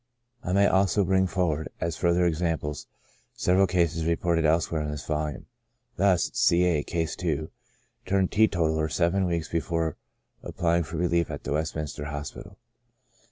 I might also bring forward, as further examples, several cases reported elsewhere in this volume. Thus : C. A — (Case 2) turned teetotaller seven weeks before applying for relief at the Westminster Hospital.